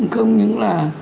không những là